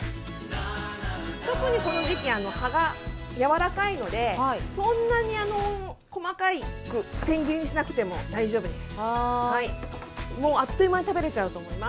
特にこの時季、葉が柔らかいのでそんなに細かく千切りにしなくても大丈夫です。